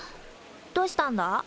どしたんだ？